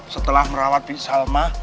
setelah merawat bisalma